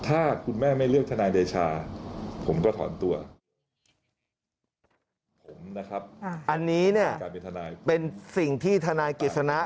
อันนี้เนี่ยเป็นสิ่งที่ทนายเกษณะ